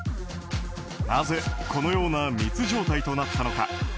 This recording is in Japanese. なぜこのような密状態となったのか。